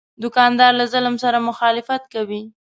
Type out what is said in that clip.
دوکاندار له ظلم سره مخالفت کوي.